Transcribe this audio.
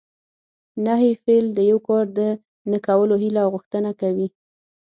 نهي فعل د یو کار نه کولو هیله او غوښتنه کوي.